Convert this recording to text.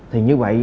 thì như vậy